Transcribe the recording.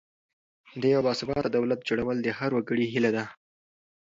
د یو باثباته دولت جوړول د هر وګړي هیله ده.